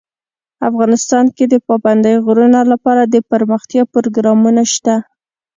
افغانستان کې د پابندی غرونه لپاره دپرمختیا پروګرامونه شته.